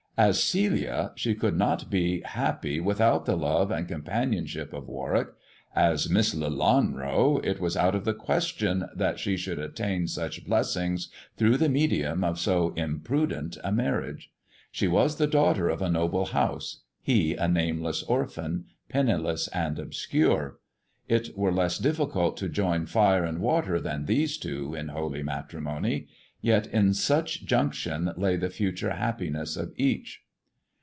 As Celia she could not be happy without the love THE dwarf's chamber 141 and companionship of Warwick; as Miss Lelanro it was out of the question that she should attain such blessings through the medium of so imprudent a marriage. She was the daughter of a noble house, he a nameless orphan, penni less and obscure. It were less difficult to join fire and water than these two in holy matrimony; yet in such junction lay the future happiness of each.